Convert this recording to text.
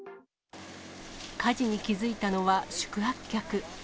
火事に気付いたのは宿泊客。